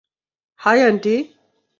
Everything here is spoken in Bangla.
High, aunty!